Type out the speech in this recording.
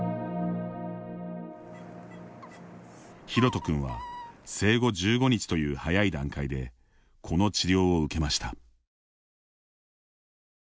ヒロト君は生後１５日という早い段階でこの治療を受けました。